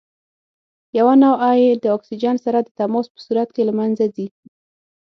یوه نوعه یې د اکسیجن سره د تماس په صورت کې له منځه ځي.